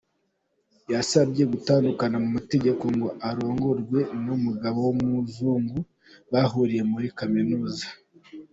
Yasabye gutandukana mu mategeko ngo arongorwe n’ umugabo w’ umuzungu bahuriye muri kaminuza.